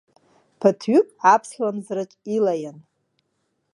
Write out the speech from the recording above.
Ԥыҭҩык аԥслымӡраҿ илаиан.